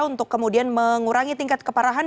untuk kemudian mengurangi tingkat keparahan